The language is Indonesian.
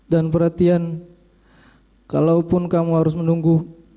dan perhatian kalaupun kamu harus menunggu